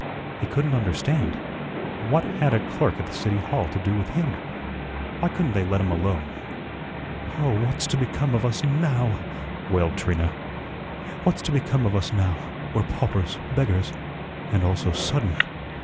He couldn't understand. What had a clerk at the City Hall to do with him? Why couldn't they let him alone? "Oh, what's to become of us NOW?" wailed Trina. "What's to become of us now? We're paupers, beggars and all so sudden."